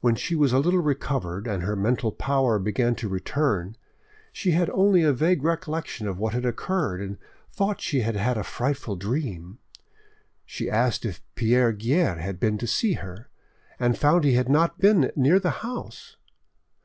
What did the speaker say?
When she was a little recovered and her mental power began to return, she had only a vague recollection of what had occurred, and thought she had had a frightful dream. She asked if Pierre Guerre had been to see her, and found he had not been near the house.